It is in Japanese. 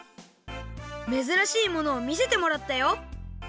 めずらしいものをみせてもらったよ